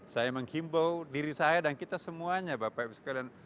saya menghimbau diri saya dan kita semuanya bapak ibu sekalian